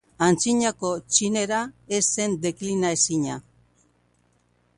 Antzinako txinera ez zen deklinaezina.